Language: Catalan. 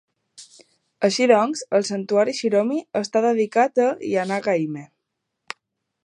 Així doncs el santuari Shiromi està dedicat a Ihanaga-Hime.